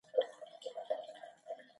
دماغ په ثانیه اتیا ملیارده سیګنال لېږي.